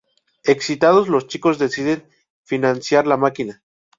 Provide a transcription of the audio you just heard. Excitados, los chicos deciden financiar la máquina.